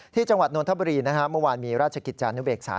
จังหวัดนทบุรีเมื่อวานมีราชกิจจานุเบกษา